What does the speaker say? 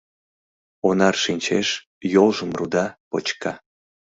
Онар шинчеш, йолжым руда, почка: